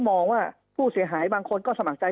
มองว่าผู้เสียหายบางคนก็สมัครใจ